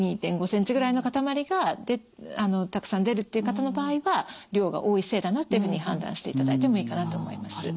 ２．５センチぐらいの塊がたくさん出るっていう方の場合は量が多いせいだなというふうに判断していただいてもいいかなと思います。